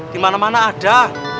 dimana mana ada